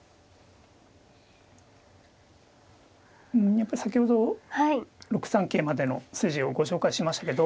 やっぱり先ほど６三桂までの筋をご紹介しましたけど。